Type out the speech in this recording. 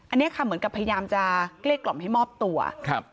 อันนี้ค่ะเหมือนกับพยายามจะเกลี้ยกล่อมให้มอบตัวครับ